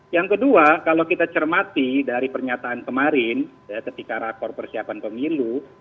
yang kedua kalau kita cermati dari pernyataan kemarin ketika rakor persiapan pemilu